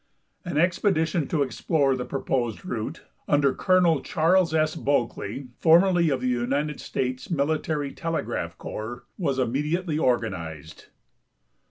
An expedition to explore the proposed route, under Col, Chas. S. Eulkley, formerly of the United States military telegraph corps, was immediately organized. Col.